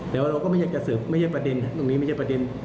มันเกิดขึ้นจริงพี่เบิ้ล